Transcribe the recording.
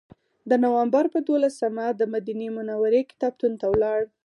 د نوامبر په دولسمه دمدینې منورې کتابتون ته لاړو.